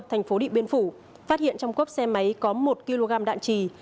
thành phố điện biên phủ phát hiện trong cốp xe máy có một kg đạn trì